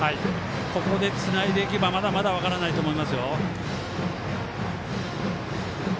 ここで、つないでいけばまだまだ、分からないと思います。